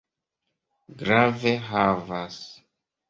Grave havas.